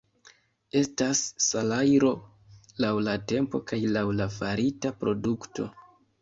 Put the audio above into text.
Estas salajro laŭ la tempo kaj laŭ la farita produkto.